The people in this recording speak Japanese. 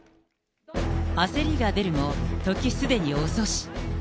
焦りが出るも、時すでに遅し。